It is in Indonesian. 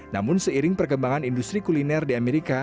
namun seiring perkembangan industri kuliner di amerika